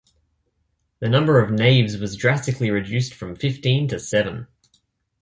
The number of naves was drastically reduced from fifteen to seven.